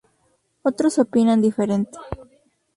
Otros opinan diferente.